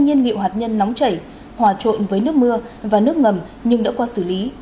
nhiên liệu hạt nhân nóng chảy hòa trộn với nước mưa và nước ngầm nhưng đã qua xử lý để đảm bảo an toàn